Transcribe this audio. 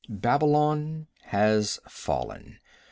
Babylon has fallen.